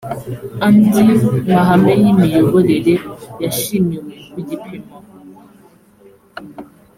andi mahame y imiyoborere yishimiwe ku gipimo